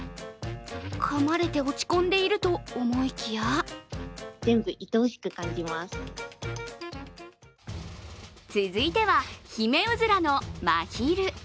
かまれて落ち込んでいると思いきや続いては、ヒメウズラのまひる。